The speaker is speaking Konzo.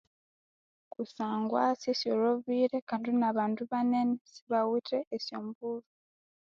Kusangwa sisyolhobire kandi nabandu banene sibawithe esyombulho.